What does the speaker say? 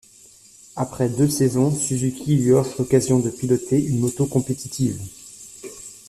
Après deux saisons, Suzuki lui offre l'occasion de piloter une moto compétitive.